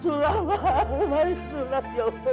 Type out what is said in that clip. allah allah allah ya allah ya allah